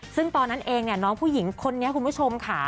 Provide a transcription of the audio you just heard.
ซึ่งตอนนั้นเองน้องผู้หญิงคนนี้คุณผู้ชมค่ะ